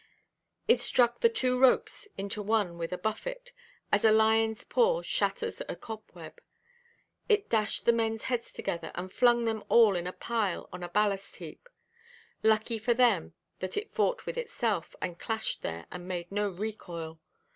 It struck the two ropes into one with a buffet, as a lionʼs paw shatters a cobweb; it dashed the menʼs heads together, and flung them all in a pile on a ballast–heap. Lucky for them that it fought with itself, and clashed there, and made no recoil.